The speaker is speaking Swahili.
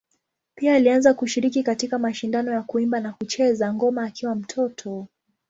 Pia alianza kushiriki katika mashindano ya kuimba na kucheza ngoma akiwa mtoto.